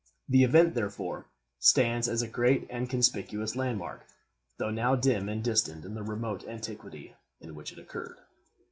The event therefore, stands as a great and conspicuous landmark, though now dim and distant in the remote antiquity in which it occurred.